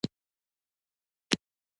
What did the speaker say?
بیا به دې له سیالانو سره سیال کړي.